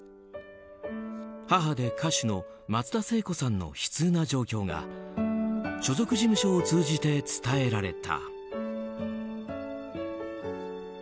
母で歌手の松田聖子さんの悲痛な状況が所属事務所を通じて伝えられた。